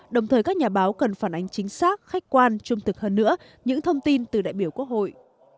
đồng thời các nhà báo cần phản ánh chính xác khách quan trung thực hơn nữa những thông tin từ đại biểu quốc hội